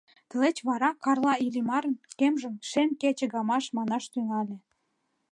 Тылеч вара Карла Иллимарын кемжым «шем кече гамаш» манаш тӱҥале.